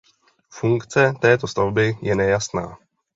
Funkce této stavby je nejasná.